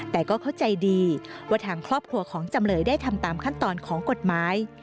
แต่ก็เข้าใจดีว่าทางครอบครัวของจำเลยได้ทำตามขั้นตอนของกฎหมาย